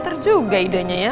ntar juga idenya ya